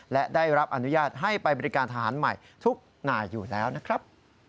และได้รับอนุญาตให้ไปบริการทหารใหม่ทุกนายอยู่แล้วนะครับ